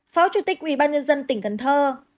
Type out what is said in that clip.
phó chủ tịch ủy ban nhân dân tỉnh cần thơ